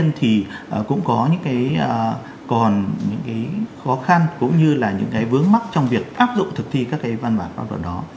thì cũng có những cái còn những cái khó khăn cũng như là những cái vướng mắc trong việc áp dụng thực thi các cái văn bản pháp luật đó